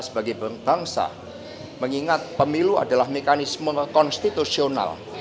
sebagai bangsa mengingat pemilu adalah mekanisme konstitusional